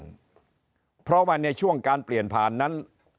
การเปลี่ยนผ่านเพราะว่าในช่วงการเปลี่ยนผ่านนั้น